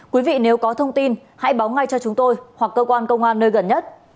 quý vị nếu có thông tin hãy báo ngay cho chúng tôi hoặc cơ quan công an nơi gần nhất